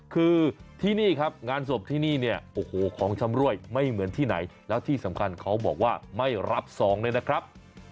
คือที่นี่ครับงานศพที่นี่เนี่ยโอ้โหของชำรวยไม่เหมือนที่ไหนแล้วที่สำคัญเขาบอกว่าไม่รับซองเลยนะครับ